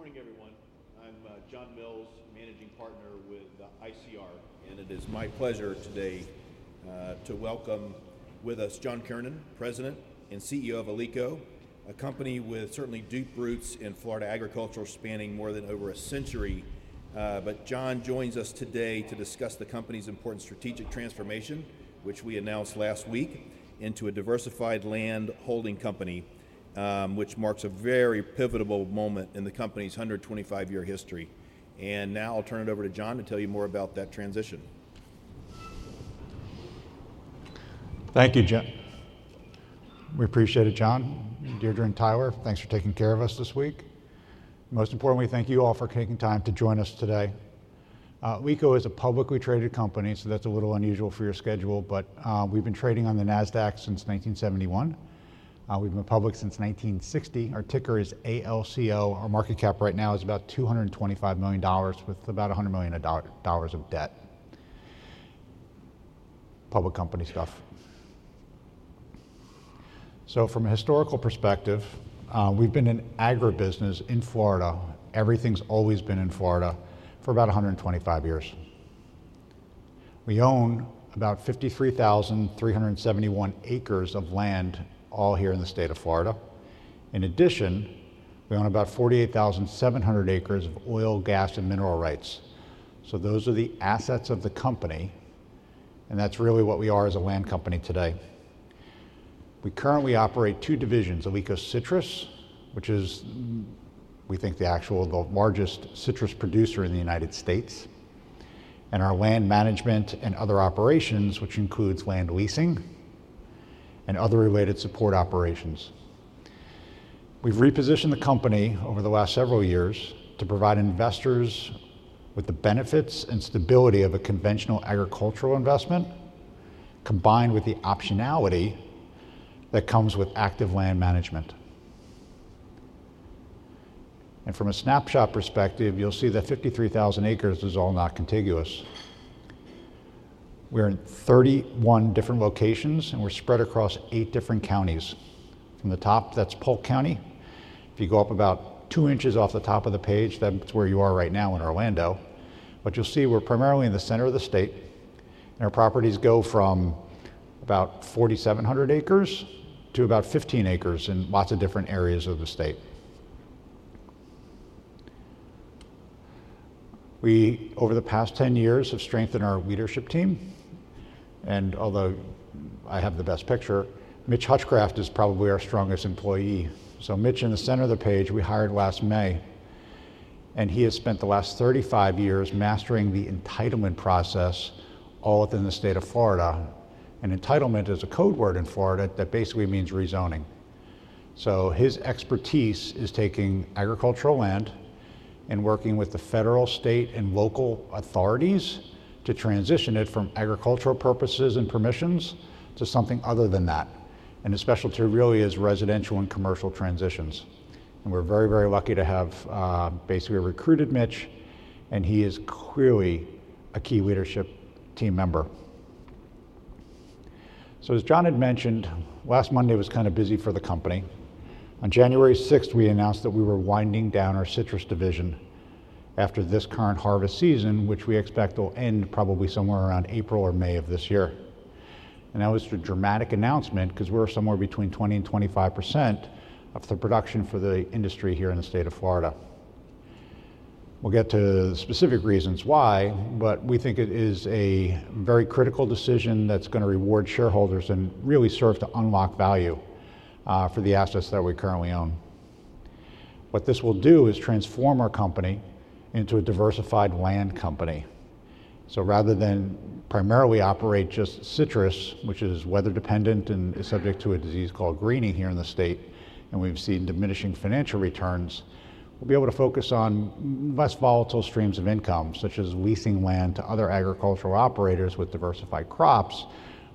Good morning, everyone. I'm John Mills, Managing Partner with ICR, and it is my pleasure today to welcome with us John Kiernan, President and CEO of Alico, a company with certainly deep roots in Florida agriculture spanning more than a century. John joins us today to discuss the company's important strategic transformation, which we announced last week, into a diversified landholding company, which marks a very pivotal moment in the company's 125-year history. Now I'll turn it over to John to tell you more about that transition. Thank you, John. We appreciate it, John. Dear Gerry, Tyler, thanks for taking care of us this week. Most importantly, thank you all for taking time to join us today. Alico is a publicly traded company, so that's a little unusual for your schedule, but we've been trading on the Nasdaq since 1971. We've been public since 1960. Our ticker is ALCO. Our market cap right now is about $225 million, with about $100 million of debt. Public company stuff. So from a historical perspective, we've been an agribusiness in Florida. Everything's always been in Florida for about 125 years. We own about 53,371 acres of land, all here in the state of Florida. In addition, we own about 48,700 acres of oil, gas, and mineral rights. So those are the assets of the company, and that's really what we are as a land company today. We currently operate two divisions: Alico Citrus, which is, we think, the actual largest citrus producer in the United States, and our land management and other operations, which includes land leasing and other related support operations. We've repositioned the company over the last several years to provide investors with the benefits and stability of a conventional agricultural investment, combined with the optionality that comes with active land management. From a snapshot perspective, you'll see that 53,000 acres is all not contiguous. We're in 31 different locations, and we're spread across eight different counties. From the top, that's Polk County. If you go up about two inches off the top of the page, that's where you are right now in Orlando. We're primarily in the center of the state, and our properties go from about 4,700 acres to about 15 acres in lots of different areas of the state. We, over the past 10 years, have strengthened our leadership team. And although I have the best picture, Mitch Hutchcraft is probably our strongest employee. So Mitch, in the center of the page, we hired last May, and he has spent the last 35 years mastering the entitlement process all within the state of Florida. And entitlement is a code word in Florida that basically means rezoning. So his expertise is taking agricultural land and working with the federal, state, and local authorities to transition it from agricultural purposes and permissions to something other than that. His specialty really is residential and commercial transitions. We're very, very lucky to have basically recruited Mitch, and he is clearly a key leadership team member. As John had mentioned, last Monday was kind of busy for the company. On January 6th, we announced that we were winding down our citrus division after this current harvest season, which we expect will end probably somewhere around April or May of this year. That was a dramatic announcement because we're somewhere between 20% and 25% of the production for the industry here in the state of Florida. We'll get to the specific reasons why, but we think it is a very critical decision that's going to reward shareholders and really serve to unlock value for the assets that we currently own. What this will do is transform our company into a diversified land company. Rather than primarily operate just citrus, which is weather-dependent and is subject to a disease called greening here in the state, and we've seen diminishing financial returns, we'll be able to focus on less volatile streams of income, such as leasing land to other agricultural operators with diversified crops,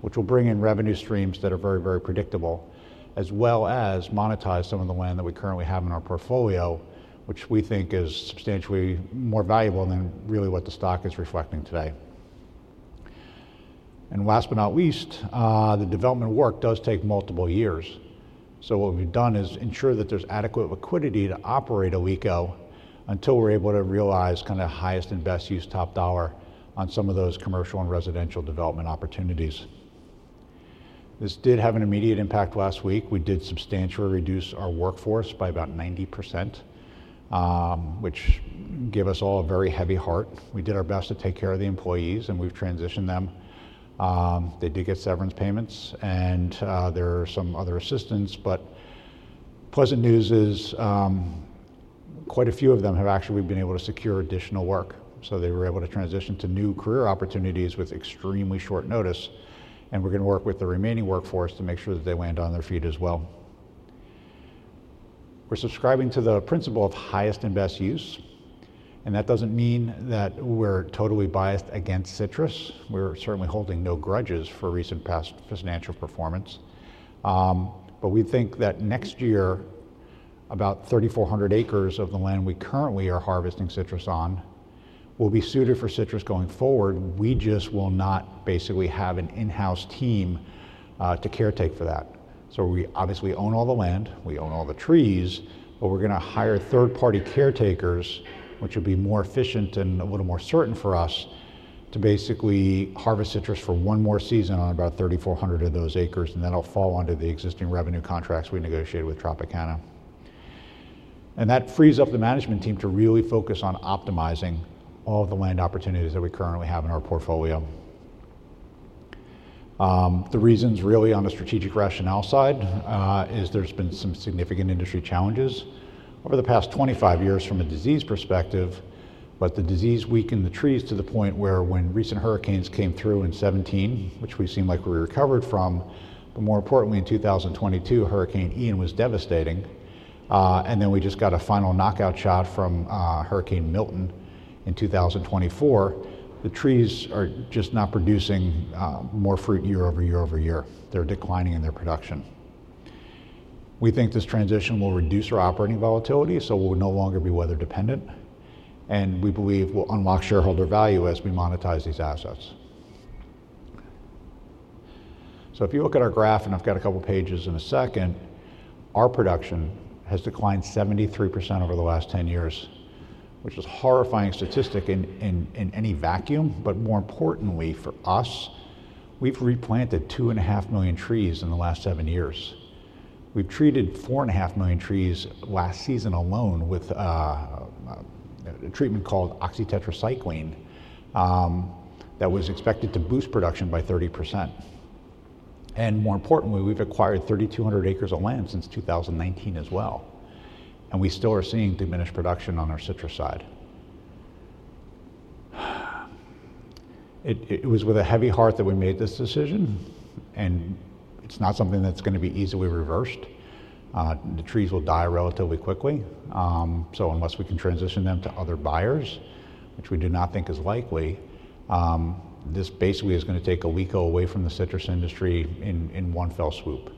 which will bring in revenue streams that are very, very predictable, as well as monetize some of the land that we currently have in our portfolio, which we think is substantially more valuable than really what the stock is reflecting today. Last but not least, the development work does take multiple years. What we've done is ensure that there's adequate liquidity to operate Alico until we're able to realize kind of highest and best use top dollar on some of those commercial and residential development opportunities. This did have an immediate impact last week. We did substantially reduce our workforce by about 90%, which gave us all a very heavy heart. We did our best to take care of the employees, and we've transitioned them. They did get severance payments, there are some other assistance, but pleasant news is quite a few of them have actually been able to secure additional work, so they were able to transition to new career opportunities with extremely short notice, and we're going to work with the remaining workforce to make sure that they land on their feet as well. We're subscribing to the principle of highest and best use, and that doesn't mean that we're totally biased against citrus. We're certainly holding no grudges for recent past financial performance, but we think that next year, about 3,400 acres of the land we currently are harvesting citrus on will be suited for citrus going forward. We just will not basically have an in-house team to caretake for that. We obviously own all the land. We own all the trees, but we're going to hire third-party caretakers, which will be more efficient and a little more certain for us to basically harvest citrus for one more season on about 3,400 of those acres. That'll fall under the existing revenue contracts we negotiated with Tropicana. That frees up the management team to really focus on optimizing all of the land opportunities that we currently have in our portfolio. The reasons really on the strategic rationale side is there's been some significant industry challenges over the past 25 years from a disease perspective. The disease weakened the trees to the point where when recent hurricanes came through in 2017, which we seem like we recovered from, but more importantly, in 2022, Hurricane Ian was devastating. Then we just got a final knockout shot from Hurricane Milton in 2024. The trees are just not producing more fruit year over year over year. They're declining in their production. We think this transition will reduce our operating volatility, we'll no longer be weather-dependent. And we believe we'll unlock shareholder value as we monetize these assets. If you look at our graph, and I've got a couple of pages in a second, our production has declined 73% over the last 10 years, which is a horrifying statistic in any vacuum. But more importantly for us, we've replanted 2.5 million trees in the last 7 years. We've treated 4.5 million trees last season alone with a treatment called oxytetracycline that was expected to boost production by 30%, and more importantly, we've acquired 3,200 acres of land since 2019 as well, and we still are seeing diminished production on our citrus side. It was with a heavy heart that we made this decision, and it's not something that's going to be easily reversed, the trees will die relatively quickly, unless we can transition them to other buyers, which we do not think is likely, this basically is going to take Alico away from the citrus industry in one fell swoop.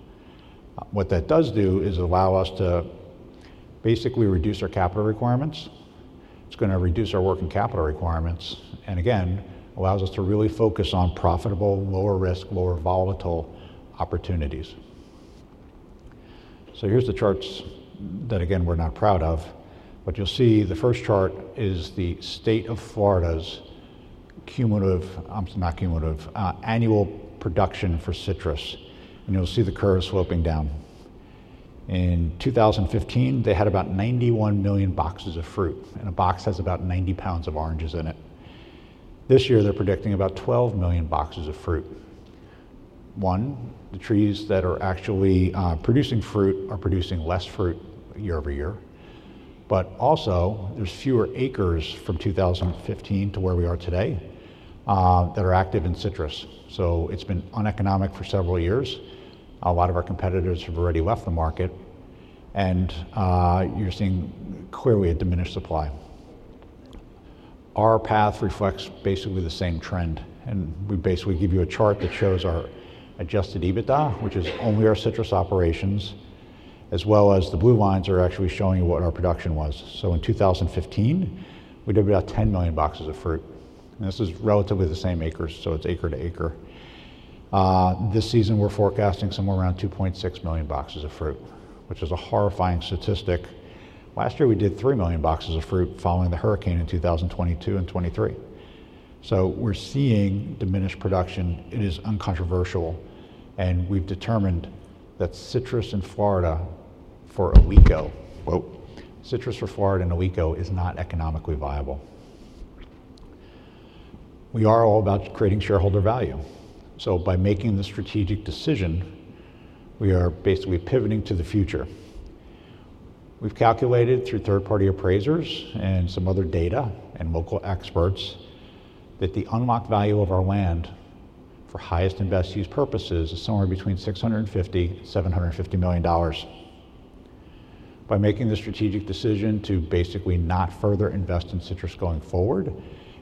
What that does do is allow us to basically reduce our capital requirements. It's going to reduce our working capital requirements, and again, allows us to really focus on profitable, lower risk, lower volatile opportunities. Here's the charts that, again, we're not proud of. But you'll see the first chart is the state of Florida's cumulative, not cumulative, annual production for citrus. You'll see the curve sloping down. In 2015, they had about 91 million boxes of fruit, and a box has about 90 pounds of oranges in it. This year, they're predicting about 12 million boxes of fruit. One, the trees that are actually producing fruit are producing less fruit year over year. But also, there's fewer acres from 2015 to where we are today that are active in citrus. It's been uneconomic for several years. A lot of our competitors have already left the market. You're seeing clearly a diminished supply. Our path reflects basically the same trend. We basically give you a chart that shows our Adjusted EBITDA, which is only our citrus operations, as well as the blue lines are actually showing you what our production was. In 2015, we did about 10 million boxes of fruit. This is relatively the same acres, so it's acre to acre. This season, we're forecasting somewhere around 2.6 million boxes of fruit, which is a horrifying statistic. Last year, we did 3 million boxes of fruit following the hurricane in 2022 and 2023. We're seeing diminished production. It is uncontroversial. We've determined that citrus in Florida for Alico, citrus for Florida in Alico is not economically viable. We are all about creating shareholder value. By making the strategic decision, we are basically pivoting to the future. We've calculated through third-party appraisers and some other data and local experts that the unlocked value of our land for highest and best use purposes is somewhere between $650 million and 750 million. By making the strategic decision to basically not further invest in citrus going forward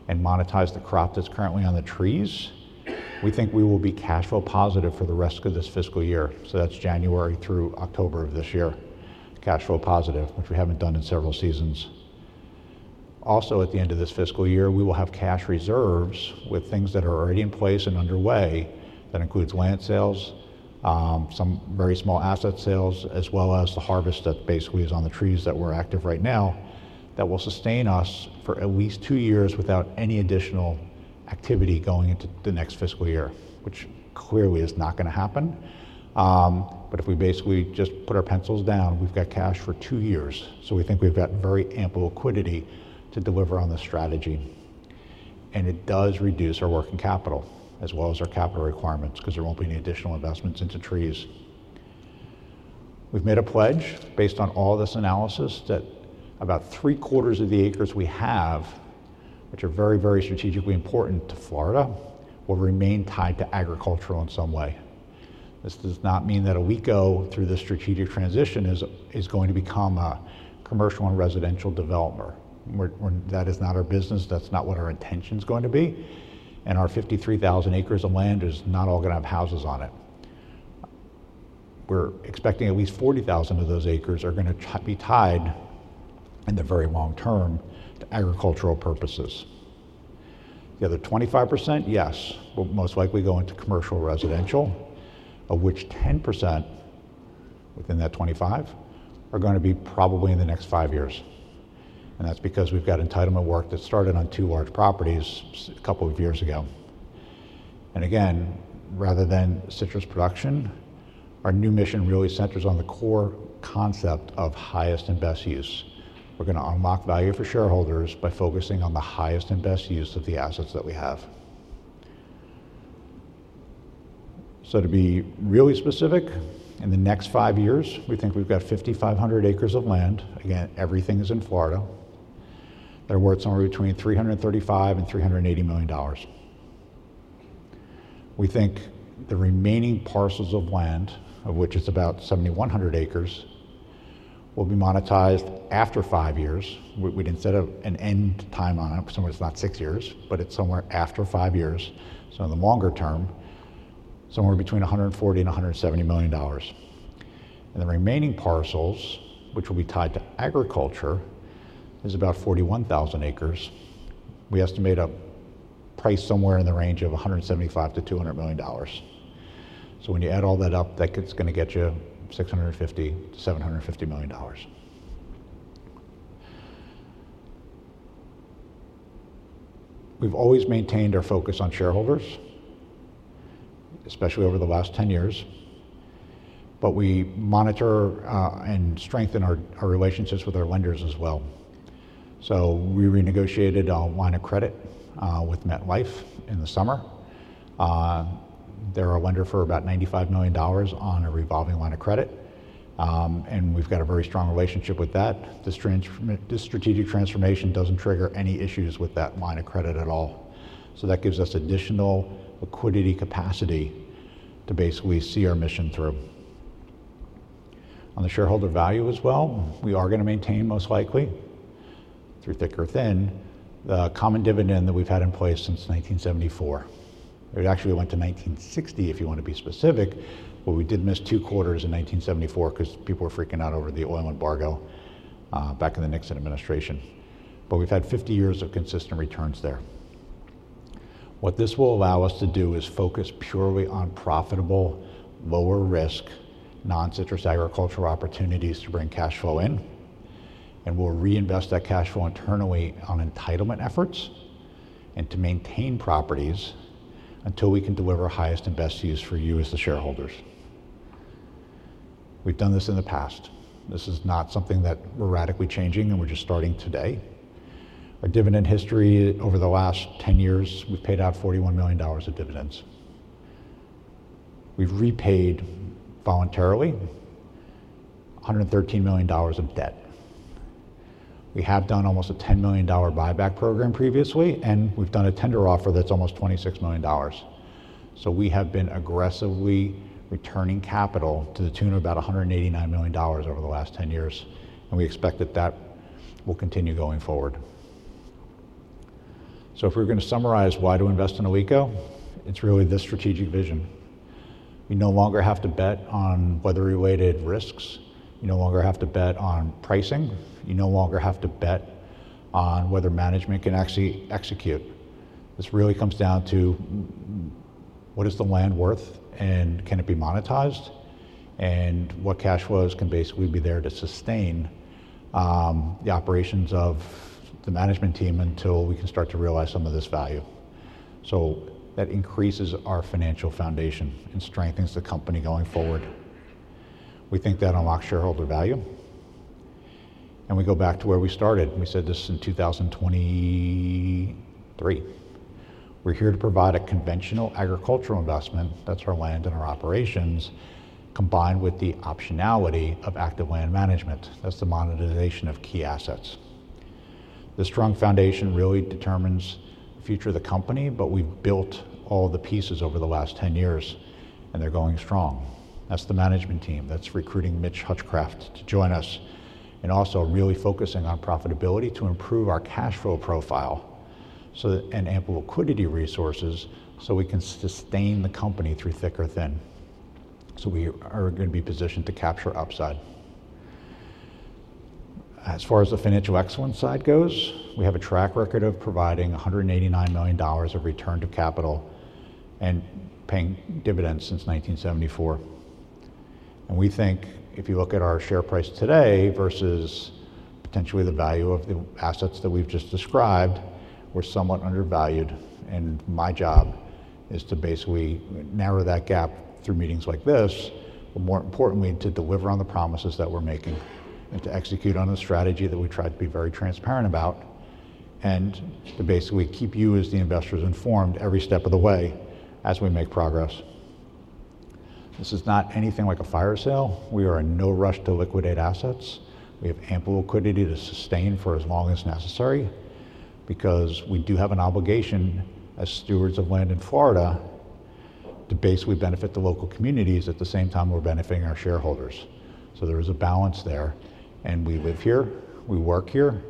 and monetize the crop that's currently on the trees, we think we will be cash flow positive for the rest of this fiscal year. That's January through October of this year, cash flow positive, which we haven't done in several seasons. Also, at the end of this fiscal year, we will have cash reserves with things that are already in place and underway. That includes land sales, some very small asset sales, as well as the harvest that basically is on the trees that we're active right now that will sustain us for at least two years without any additional activity going into the next fiscal year, which clearly is not going to happen. But if we basically just put our pencils down, we've got cash for two years. We think we've got very ample liquidity to deliver on the strategy. It does reduce our working capital as well as our capital requirements because there won't be any additional investments into trees. We've made a pledge based on all this analysis that about three quarters of the acres we have, which are very, very strategically important to Florida, will remain tied to agriculture in some way. This does not mean that Alico through this strategic transition is going to become a commercial and residential developer. That is not our business. That's not what our intention is going to be. Our 53,000 acres of land is not all going to have houses on it. We're expecting at least 40,000 of those acres are going to be tied in the very long term to agricultural purposes. The other 25%, yes, will most likely go into commercial residential, of which 10% within that 25 are going to be probably in the next five years. And that's because we've got entitlement work that started on two large properties a couple of years ago. And again, rather than citrus production, our new mission really centers on the core concept of highest and best use. We're going to unlock value for shareholders by focusing on the highest and best use of the assets that we have. To be really specific, in the next five years, we think we've got 5,500 acres of land. Again, everything is in Florida. They're worth somewhere between $335 million and 380 million. We think the remaining parcels of land, of which it's about 7,100 acres, will be monetized after five years. We'd instead of an end time on it, somewhere it's not six years, but it's somewhere after five years, in the longer term, somewhere between $140 million and 170 million. The remaining parcels, which will be tied to agriculture, is about 41,000 acres. We estimate a price somewhere in the range of $175 million to 200 million. When you add all that up, that's going to get you $650 million to 750 million. We've always maintained our focus on shareholders, especially over the last 10 years. But we monitor and strengthen our relationships with our lenders as well. We renegotiated our line of credit with MetLife in the summer. They're our lender for about $95 million on a revolving line of credit. We've got a very strong relationship with that. This strategic transformation doesn't trigger any issues with that line of credit at all. That gives us additional liquidity capacity to basically see our mission through. On the shareholder value as well, we are going to maintain most likely through thick or thin the common dividend that we've had in place since 1974. It actually went to 1960 if you want to be specific, but we did miss two quarters in 1974 because people were freaking out over the oil embargo back in the Nixon administration. We've had 50 years of consistent returns there. What this will allow us to do is focus purely on profitable, lower risk, non-citrus agricultural opportunities to bring cash flow in. We'll reinvest that cash flow internally on entitlement efforts and to maintain properties until we can deliver highest and best use for you as the shareholders. We've done this in the past. This is not something that we're radically changing, and we're just starting today. Our dividend history over the last 10 years, we've paid out $41 million of dividends. We've repaid voluntarily $113 million of debt. We have done almost a $10 million buyback program previously, and we've done a tender offer that's almost $26 million. We have been aggressively returning capital to the tune of about $189 million over the last 10 years. We expect that that will continue going forward. If we're going to summarize why to invest in Alico, it's really this strategic vision. You no longer have to bet on weather-related risks. You no longer have to bet on pricing. You no longer have to bet on whether management can actually execute. This really comes down to what is the land worth, and can it be monetized, and what cash flows can basically be there to sustain the operations of the management team until we can start to realize some of this value. That increases our financial foundation and strengthens the company going forward. We think that unlocks shareholder value. We go back to where we started. We said this in 2023. We're here to provide a conventional agricultural investment. That's our land and our operations combined with the optionality of active land management. That's the monetization of key assets. The strong foundation really determines the future of the company, but we've built all the pieces over the last 10 years, and they're going strong. That's the management team. That's recruiting Mitch Hutchcraft to join us and also really focusing on profitability to improve our cash flow profile and ample liquidity resources so we can sustain the company through thick or thin. We are going to be positioned to capture upside. As far as the financial excellence side goes, we have a track record of providing $189 million of return to capital and paying dividends since 1974. We think if you look at our share price today versus potentially the value of the assets that we've just described, we're somewhat undervalued. My job is to basically narrow that gap through meetings like this, but more importantly, to deliver on the promises that we're making and to execute on the strategy that we tried to be very transparent about and to basically keep you as the investors informed every step of the way as we make progress. This is not anything like a fire sale. We are in no rush to liquidate assets. We have ample liquidity to sustain for as long as necessary because we do have an obligation as stewards of land in Florida to basically benefit the local communities at the same time we're benefiting our shareholders. There is a balance there. We live here. We work here.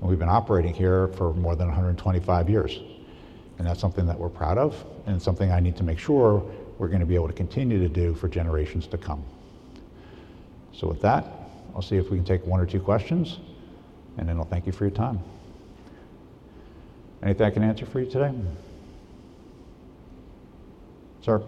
We've been operating here for more than 125 years. That's something that we're proud of and something I need to make sure we're going to be able to continue to do for generations to come. With that, I'll see if we can take one or two questions, and then I'll thank you for your time. Anything I can answer for you today? Sir.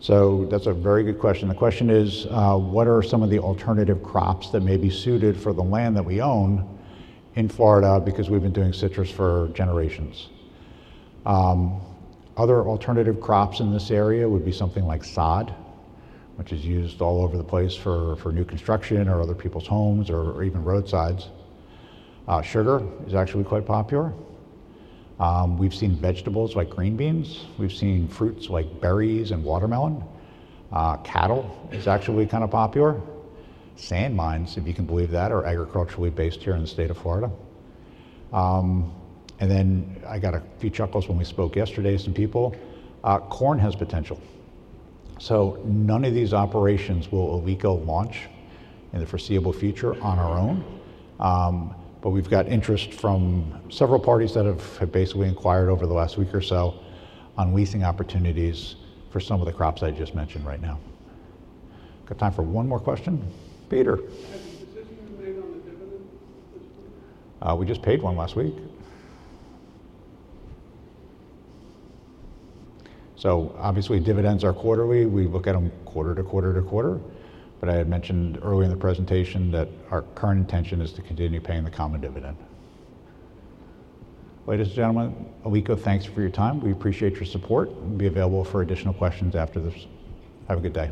Yes, sir. What other, since your land is mostly in agriculture, what other crops and what else can be used alongside the oranges, I guess, if there's another? That's a very good question. The question is, what are some of the alternative crops that may be suited for the land that we own in Florida because we've been doing citrus for generations? Other alternative crops in this area would be something like sod, which is used all over the place for new construction or other people's homes or even roadsides. Sugar is actually quite popular. We've seen vegetables like green beans. We've seen fruits like berries and watermelon. Cattle is actually kind of popular. Sand mines, if you can believe that, are agriculturally based here in the state of Florida. I got a few chuckles when we spoke yesterday, some people. Corn has potential. None of these operations will Alico launch in the foreseeable future on our own. But we've got interest from several parties that have basically inquired over the last week or so on leasing opportunities for some of the crops I just mentioned right now. Got time for one more question. Peter. Has the decision been made on the dividend this week? We just paid one last week. Obviously, dividends are quarterly. We look at them quarter to quarter to quarter. But I had mentioned earlier in the presentation that our current intention is to continue paying the common dividend. Ladies and gentlemen, Alico, thanks for your time. We appreciate your support. We'll be available for additional questions after this. Have a good day.